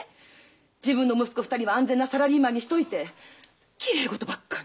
自分の息子２人は安全なサラリーマンにしといてきれい事ばっかり。